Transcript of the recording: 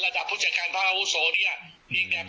แล้วคนบดตีเองเขาบอกตัดตัวแทงของผม